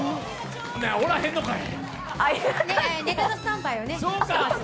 おらへんのかい！